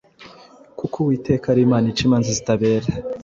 kuko Uwiteka ari Imana ica imanza zitabera.